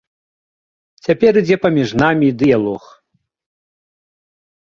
Цяпер ідзе паміж намі дыялог.